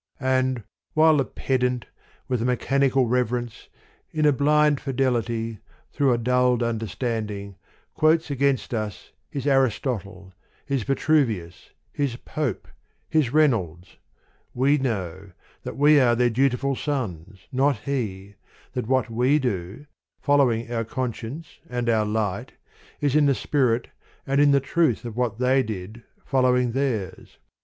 And ; while the ped ant, with a mechanic reverence, in a blind fidelity, through a dulled understanding, quotes against us his Aristotle, his Vitru vius, his Pope, his Reynolds ; we know, that we are their dutiful sons, not he : that what we do, following our conscience and our light, is in the spirit and in the truth of what they did, following theirs.